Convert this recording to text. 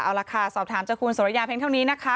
เอาล่ะค่ะสอบถามจากคุณสุรยาเพียงเท่านี้นะคะ